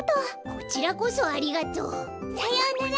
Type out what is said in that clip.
こちらこそありがとう。さようなら。